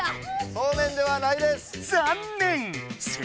そうめんではないです。